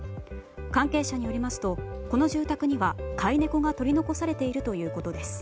関係者によりますとこの住宅には飼い猫が取り残されているということです。